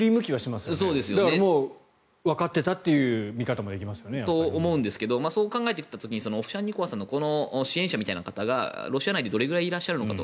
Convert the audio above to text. だから、もうわかっていたという見方もできますよね。と思うんですけどそう考えた時にオフシャンニコワさんの支援者みたいな方がロシア内でどれぐらいいらっしゃるのかと。